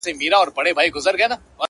o د بل جنگ نيم اختر دئ٫